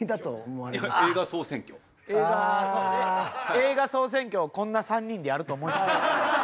映画総選挙をこんな３人でやると思いますか？